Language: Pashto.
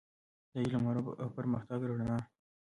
د علم او پرمختګ رڼا.